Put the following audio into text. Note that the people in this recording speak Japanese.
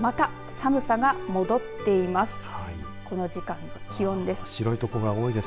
きょうはまた寒さが戻っています。